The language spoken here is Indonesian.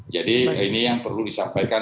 jadi ini yang perlu disampaikan